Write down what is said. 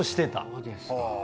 そうですか。